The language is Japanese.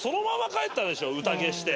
宴して。